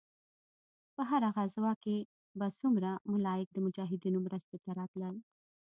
په هره غزوه کښې به څومره ملايک د مجاهدينو مرستې ته راتلل.